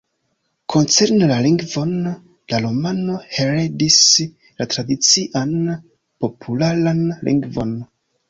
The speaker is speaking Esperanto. Koncerne la lingvon, la romano heredis la tradician popularan lingvon.